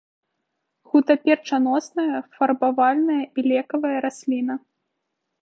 Гутаперчаносная, фарбавальная і лекавая расліна.